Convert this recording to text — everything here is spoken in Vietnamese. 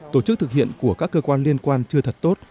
tổ chức thực hiện của các cơ quan liên quan chưa thật tốt